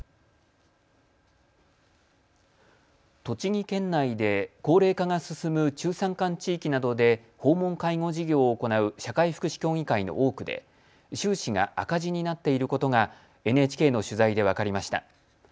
栃木県内で高齢化が進む中山間地域などで訪問介護事業を行う社会福祉協議会の多くで収支が赤字になっていることがＮＨＫの取材で分かりました。